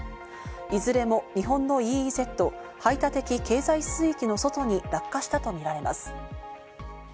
いずれも日本のＥＥＺ＝排他的経済水域の外に落下したとみられます。